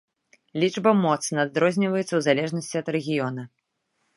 Лічба моцна адрозніваецца ў залежнасці ад рэгіёна.